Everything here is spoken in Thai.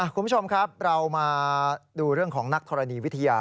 คุณผู้ชมครับเรามาดูเรื่องของนักธรณีวิทยา